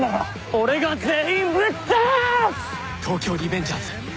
「俺が全員ぶっ飛ばす！」